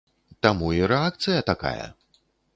Таму і рэакцыя такая.